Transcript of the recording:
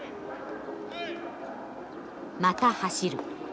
また走る。